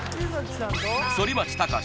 反町隆史